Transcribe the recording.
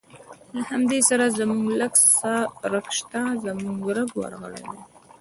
له حمد سره زموږ لږ څه رګ شته، زموږ رګ ورغلی دی.